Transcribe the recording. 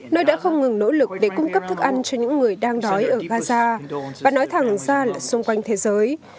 nơi đã không ngừng nỗ lực để cung cấp thức ăn cho những người đang đói ở gaza và nói thẳng ra là xung quanh thế giới